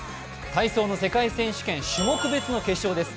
体操の世界選手権種目別決勝です。